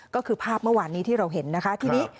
ก็คือภาพเมื่อวานนี้ที่เราเห็นนะคะทีนี้